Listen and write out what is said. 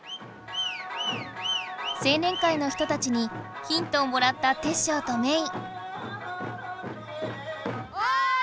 青年会の人たちにヒントをもらったテッショウとメイ。